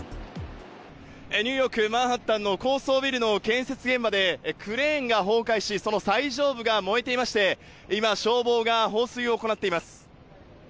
ニューヨーク・マンハッタンの高層ビルの建設現場でクレーンが崩壊し、その最上部が燃えていまして、今、消防が放水を行っています。